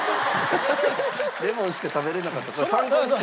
レモンしか食べれなかったって。